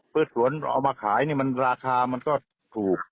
พืชสวนเราเอามาขายราคามันก็ถูก